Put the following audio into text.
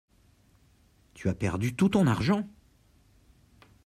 Tu as perdu tout ton argent ?